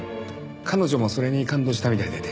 彼女もそれに感動したみたいでね。